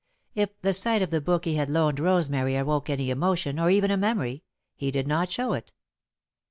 If the sight of the book he had loaned Rosemary awoke any emotion, or even a memory, he did not show it.